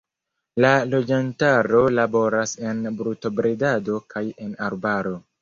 La loĝantaro laboras en brutobredado kaj en arbaro.